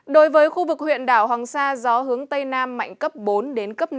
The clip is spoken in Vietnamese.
đối với khu vực huyện đảo hoàng sa gió hướng tây nam mạnh cấp bốn đến cấp năm